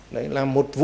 đấy là một vụ